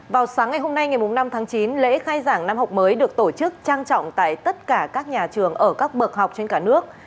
vào sáng ngày hôm nay ngày năm tháng chín lễ khai giảng năm học mới được tổ chức trang trọng tại tất cả các nhà trường ở các bậc học trên cả nước